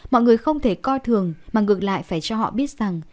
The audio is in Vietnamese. mọi người không thể coi thường mà ngược lại phải cho họ biết rằng